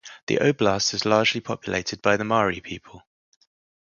The Oblast is largely populated by the Mari people.